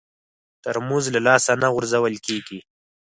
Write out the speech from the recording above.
ترموز له لاسه نه غورځول کېږي.